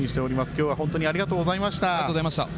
きょうは本当にありがとうございました。